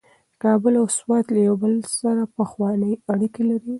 کابل او سوات یو له بل سره پخوانۍ اړیکې لري.